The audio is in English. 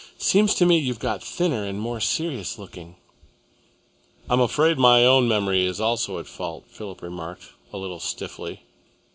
Seems to me you've got thinner and more serious looking." "I am afraid my own memory is also at fault," Philip remarked, a little stiffly.